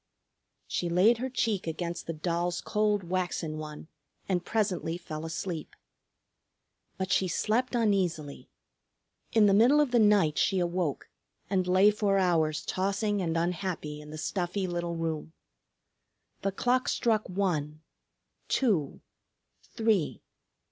She laid her cheek against the doll's cold waxen one and presently fell asleep. But she slept uneasily. In the middle of the night she awoke and lay for hours tossing and unhappy in the stuffy little room. The clock struck one, two, three.